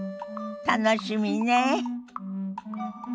楽しみねえ。